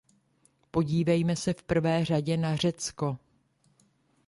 Podívejme se v prvé řadě na Řecko.